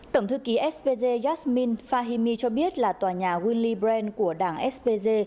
tổng thư ký spg jasmin fahimi cho biết là tòa nhà willy brandt của đảng spg